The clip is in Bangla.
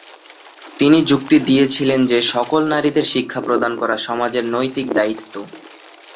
তিনি যুক্তি দিয়েছিলেন যে সকল নারীদের শিক্ষা প্রদান করা সমাজের নৈতিক দায়িত্ব।